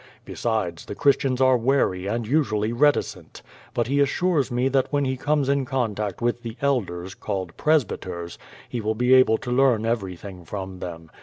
Besides, the Christians are wary and usually reticent. But he assures me that when he conios in contact with the elders, called presbyters, he will be able to learn everything from tliem.